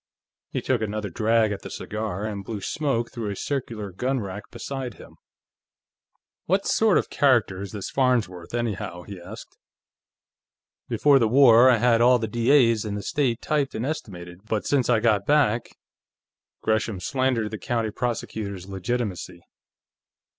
He took another drag at the cigar, and blew smoke through a circular gun rack beside him. "What sort of a character is this Farnsworth, anyhow?" he asked. "Before the war, I had all the D.A.'s in the state typed and estimated, but since I got back " Gresham slandered the county prosecutor's legitimacy.